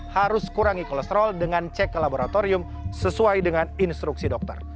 harus kurangi kolesterol dengan cek ke laboratorium sesuai dengan instruksi dokter